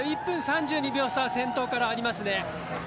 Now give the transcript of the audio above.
１分３２秒差、先頭からありますね。